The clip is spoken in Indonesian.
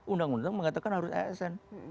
undang undang mengatakan harus asn